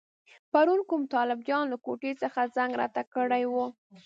پرون کوم طالب جان له کوټې څخه زنګ راته کړی وو.